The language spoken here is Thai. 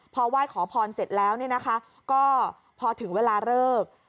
พอไหว้ขอพรเสร็จแล้วเนี่ยนะคะก็พอถึงเวลาเลิก